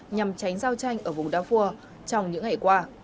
nhằm tránh giao tranh ở vùng darfur trong những ngày qua